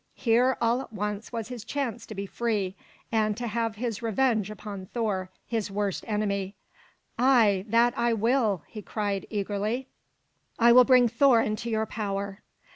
Here all at once was his chance to be free, and to have his revenge upon Thor, his worst enemy. "Ay, that I will!" he cried eagerly. "I will bring Thor into your power."